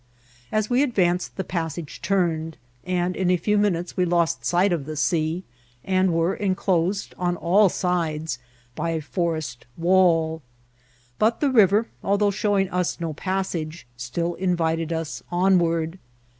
As we advanced the passage turned, and in a few minutes we lost sight of the sea, and were enclosed on all sides by a forest wall ; but the river, although showing us no passage, still invited us onward.